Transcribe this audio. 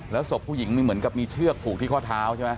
แล้วศพผู้หญิงมีเหมือนกับมีเชือกผูกที่ข้อเท้าใช่ไหม